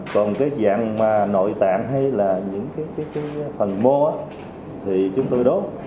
còn cái dạng mà nội tạng hay là những cái phần mô thì chúng tôi đốt